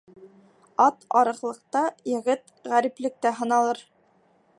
Ат арыҡлыҡта, егет ғәриплектә һыналыр.